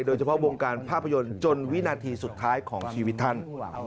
โดยเฉพาะวงการภาพยนตร์จนวินาทีสุดท้ายของชีวิตท่าน